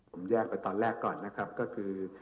ผมแยกไปตอนแรกก่อนนะครับก็คือ